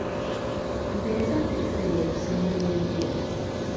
Mpeereza ku ccupa eyo ekusemberedde.